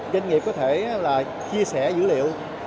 doanh nghiệp có thể chia sẻ dữ liệu